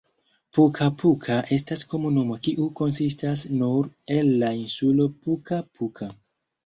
Puka-Puka estas komunumo kiu konsistas nur el la insulo Puka-Puka.